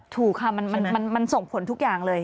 ถูกค่ะมันส่งผลทุกอย่างเลย